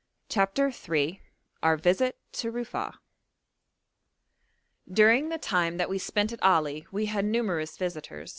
] CHAPTER III OUR VISIT TO RUFA'A During the time that we spent at Ali we had numerous visitors.